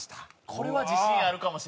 これは自信あるかもしれないです